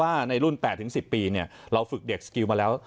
ในรุ่น๘๑๐ปีเราฝึกเด็กสกิลมาแล้ว